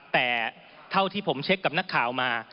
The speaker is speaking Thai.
แต่เท่าที่ผมเช็คกับนักข่าวมา